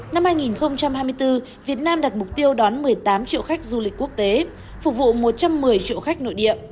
năm hai nghìn hai mươi bốn việt nam đặt mục tiêu đón một mươi tám triệu khách du lịch quốc tế phục vụ một trăm một mươi triệu khách nội địa